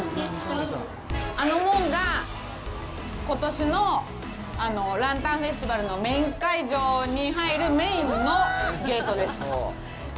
あの門が、ことしのランタンフェスティバルのメイン会場に入るメインのゲートです。